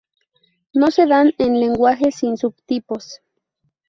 No se dan en lenguajes sin subtipos.